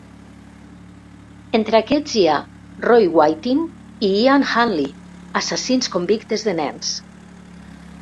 Entre aquests hi ha Roy Whiting i Ian Huntley, assassins convictes de nens.